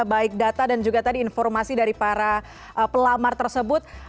baik data dan juga tadi informasi dari para pelamar tersebut